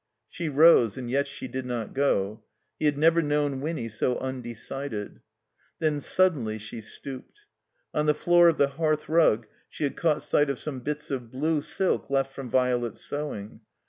She rose, and yet she did not go. He had never known Winny so undecided. TTien suddenly she stooped. On the floor of the hearth rug she had caught sight of some bits of blue silk left from Violet's sewing.